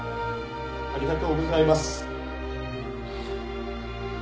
ありがとうございます。